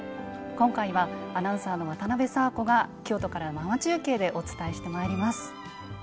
今回はアナウンサーの渡邊佐和子が京都から生放送でお伝えします。